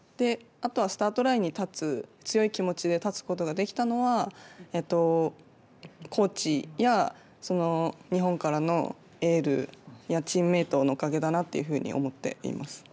あとはスタートラインに立つ、強い気持ちで立つことができたのは、コーチや日本からのエールや、チームメートのおかげだなっていうふうに思っています。